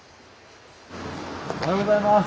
おはようございます。